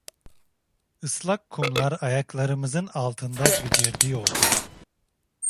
Islak kumlar ayaklarımızın altında gıcırdıyordu.